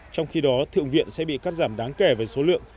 trong khi đó thượng viện sẽ bị cắt giảm đáng kể về số lượng